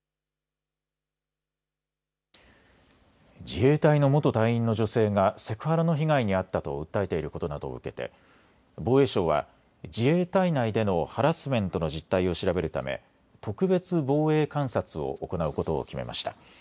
自衛隊の元隊員の女性がセクハラの被害に遭ったと訴えていることなどを受けて防衛省は自衛隊内でのハラスメントの実態を調べるため特別防衛監察を行うことを決めました。